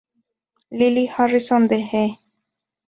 Lily Harrison de E!